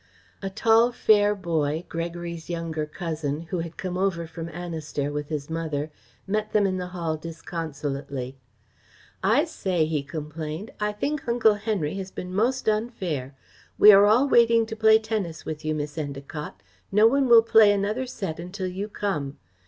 A tall, fair boy, Gregory's younger cousin, who had come over from Annistair with his mother, met them in the hall disconsolately. "I say," he complained, "I think Uncle Henry has been most unfair. We are all waiting to play tennis with you, Miss Endacott. No one will play another set until you come.